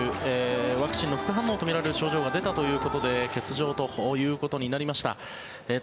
ワクチンの副反応とみられる症状が出たということで欠場ということになりました。